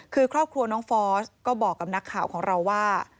คือครอบครัวน้องฟอสก็บอกกับนักข่าวของเราว่า